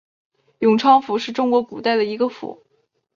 永昌府是中国古代的一个府。